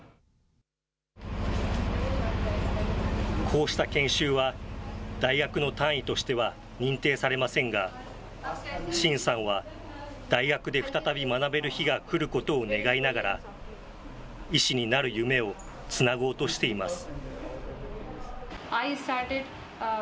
こうした研修は、大学の単位としては認定されませんが、シンさんは、大学で再び学べる日が来ることを願いながら、医師になる夢をつなごうとしています。